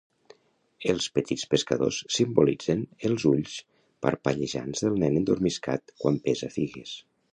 Els petits pescadors simbolitzen els ulls parpellejants del nen endormiscat quan pesa figues.